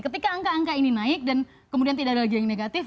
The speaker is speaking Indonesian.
ketika angka angka ini naik dan kemudian tidak ada lagi yang negatif